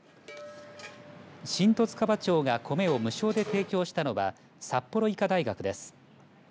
新十津川町がコメを無償で提供したのは札幌医科大学です。